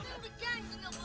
eh udah dong kak